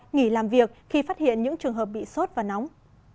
nghỉ làm việc khi phát hiện những trường hợp bị sốt và nóng